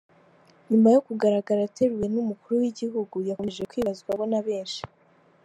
Nyuma yo kugaragara ateruwe n’Umukuru w’Igihugu, yakomeje kwibazwaho na benshi.